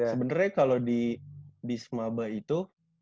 sebenernya kalau di semaba itu